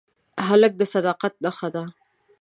هلک د صداقت نښه ده.